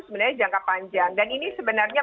sebenarnya jangka panjang dan ini sebenarnya